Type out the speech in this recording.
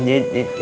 iya pak ustadz